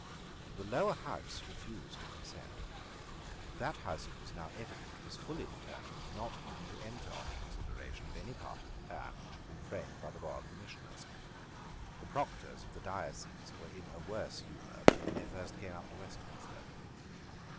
The Lower House refused to consent, That House, it was now evident, was fully determined not even to enter on the consideration of any part of the plan which had been framed by the Royal Commissioners. The proctors of the dioceses were in a worse humour than when they first came up to Westminster.